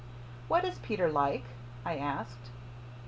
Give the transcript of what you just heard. "What is Peter like?" I asked.